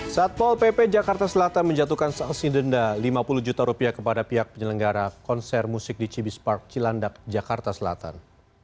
saat pol pp jakarta selatan menjatuhkan saksi denda lima puluh juta rupiah kepada pihak penyelenggara konser musik di cibis park cilandak jakarta selatan